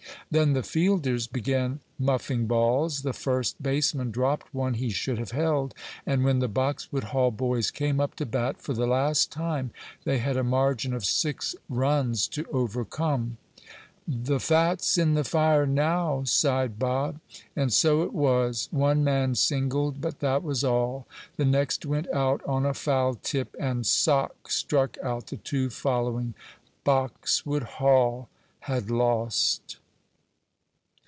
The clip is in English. Then the fielders began muffing balls, the first baseman dropped one he should have held, and when the Boxwood Hall boys came up to bat for the last time they had a margin of six runs to overcome. "The fat's in the fire now," sighed Bob. And so it was. One man singled, but that was all. The next went out on a foul tip, and "Sock" struck out the two following. Boxwood Hall had lost.